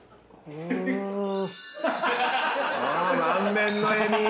うわ満面の笑み！